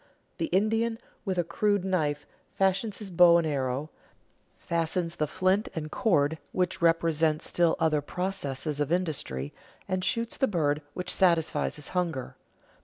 The Indian with a crude knife fashions his bow and arrow, fastens the flint and cord which represent still other processes of industry, and shoots the bird which satisfies his hunger.